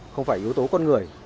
không phải yếu tố con người